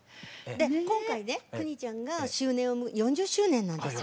で今回ね邦ちゃんが４０周年なんですよ。